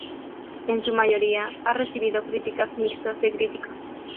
En su mayoría ha recibido críticas mixtas de críticos.